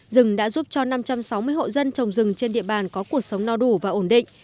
rừng đã giúp cho năm trăm sáu mươi hộ dân trồng rừng trên địa bàn có cuộc sống no đủ và ổn định